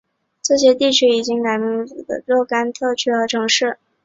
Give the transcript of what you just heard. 这些地区现在已改为苏拉威西南部的若干特区和城市。